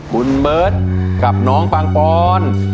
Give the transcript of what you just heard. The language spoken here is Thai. คุณเบิร์ตกับน้องปังปอน